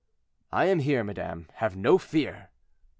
"I am here, madame; have no fear."